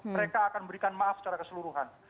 mereka akan memberikan maaf secara keseluruhan